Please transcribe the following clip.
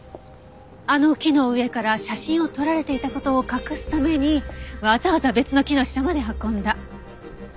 あの木の上から写真を撮られていた事を隠すためにわざわざ別の木の下まで運んだ。